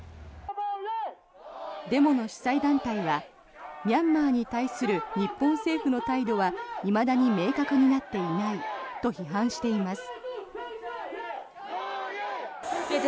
デモの主催団体はミャンマーに対する日本政府の態度はいまだに明確になっていないと批判しています。